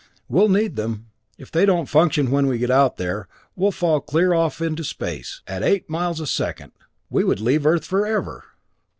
We'll need them! If they don't function when we get out there, we'll fall clear off into space! At eight miles a second, we would leave Earth forever!"